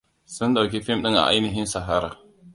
Sun dauki fim din a ainihin sahara.